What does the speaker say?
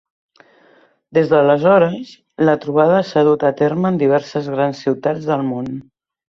Des d'aleshores, la trobada s'ha dut a terme en diverses grans ciutats del món.